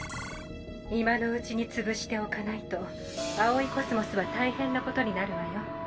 今のうちにつぶしておかないと葵宇宙は大変なことになるわよ。